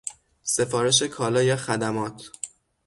سفارش کالا یا خدمات